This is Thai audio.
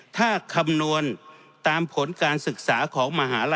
ถ้าคำนวณตามผลการศึกษาของมหาลัย